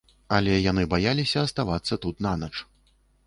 Але яны баяліся аставацца тут нанач.